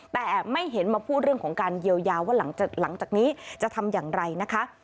แต่ไม่เห็นมาพูดเรื่องของการเยียวยาว่าหลังจากนี้จะทำอย่างไรนะคะ